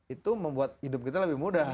itu membuat hidup kita lebih mudah